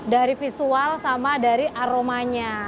dari visual sama dari aromanya